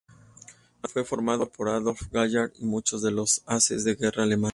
Fue formado por Adolf Galland y muchos de los ases de guerra alemana.